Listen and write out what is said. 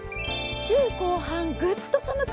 週後半、グッと寒く。